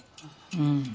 うん。